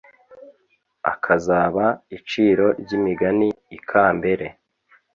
akazaba iciro ry'imigani i kambere